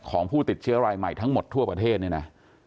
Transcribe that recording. ของผู้ติดเชื้อรายใหม่ทั้งหมดทั่วประเทศเนี่ยนะ